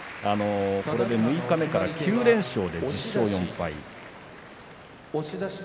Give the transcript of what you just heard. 六日目から９連勝で１０勝４敗。